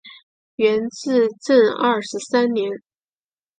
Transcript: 元至正二十三年。